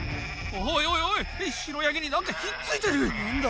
おいおい白ヤギに何かひっついてる何だ？